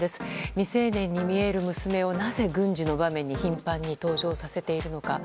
未成年に見える娘をなぜ軍事の場面に頻繁に登場させているのか。